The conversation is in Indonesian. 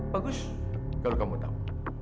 bagus kalau kamu tahu